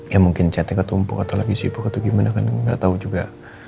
ya mungkin chatnya ketumpuk atau lagi sibuk atau gimana kan gak tau juga